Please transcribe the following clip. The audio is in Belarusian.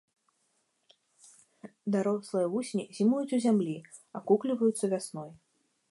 Дарослыя вусені зімуюць у зямлі, акукліваюцца вясной.